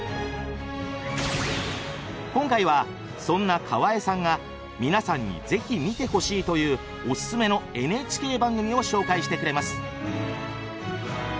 今回はそんな河江さんが「皆さんにぜひ見てほしい！」というオススメのＮＨＫ番組を紹介してくれます。